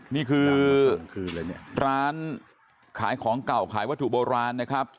นี่คือร้านขายของเก่าขายวัตถุโบราณนะครับ